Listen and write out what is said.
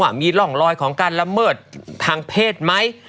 ว่ามีร่องรอยของการละเมิดทางเพศไหม